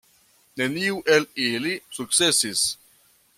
Neniu el ili sukcesis.